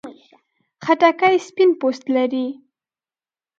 خټکی سپین پوست لري.